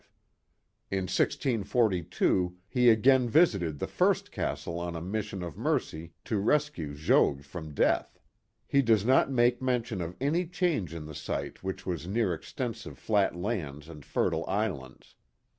In 1642 he again visited the first castle on a mission of mercy to rescue Jogues from death. He does not make mention of any change in the site which was near extensive flat lands and fertile islands.